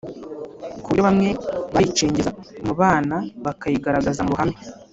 ku buryo bamwe bayicengeza no mu bana bakayigaragaza mu ruhame